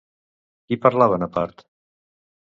Qui parlaven a part?